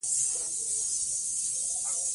احمدشاه بابا د شجاعت مثالونه په تاریخ کې ثبت دي.